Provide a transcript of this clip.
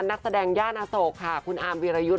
นักแสดงย่านอโศกค่ะคุณอาร์มวีรยุทธ์